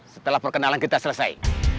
setelah perkenalan kita selesai